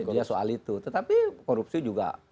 dia soal itu tetapi korupsi juga